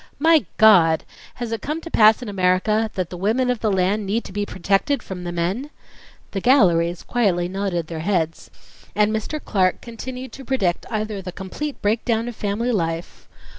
My God, has it come to pass in America that the women of the land need to be protected from the men?" The galleries quietly nodded their heads, and Mr. Clark continued to predict either the complete breakdown of family life